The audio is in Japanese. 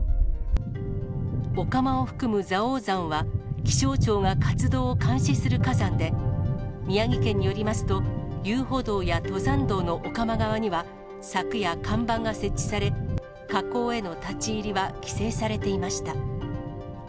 お釜を含む蔵王山は、気象庁が活動を監視する火山で、宮城県によりますと、遊歩道や登山道のお釜側には、柵や看板が設置され、火口への立ち入りは規制されていました。